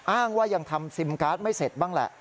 อ้างว่ายังทำซิมการ์ดไม่เสร็จบ้างแหละ